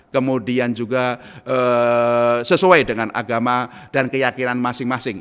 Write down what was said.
kemudian juga sesuai dengan agama dan keyakinan masing masing